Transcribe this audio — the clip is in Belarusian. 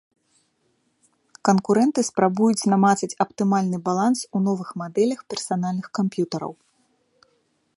Канкурэнты спрабуюць намацаць аптымальны баланс у новых мадэлях персанальных камп'ютараў.